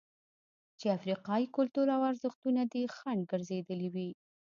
چې افریقايي کلتور او ارزښتونه دې خنډ ګرځېدلي وي.